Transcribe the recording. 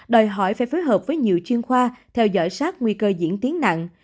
đòi hỏi phải phối hợp với nhiều chuyên khoa theo dõi sát nguy cơ diễn tiến nặng